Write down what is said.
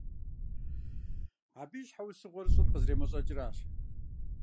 Абы и щхьэусыгъуэр щӀыр къазэремэщӀэкӀыращ.